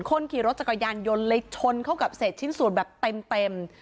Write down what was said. คนขี่รถจักรยานยนต์เลยชนเข้ากับเศษชิ้นส่วนแบบเต็ม